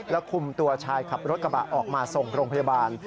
คุมตัวชายขับรถกระบะออกมาส่งโรงพยาบาล